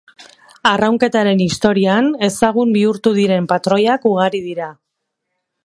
Arraunketaren historian ezagun bihurtu diren patroiak ugari dira.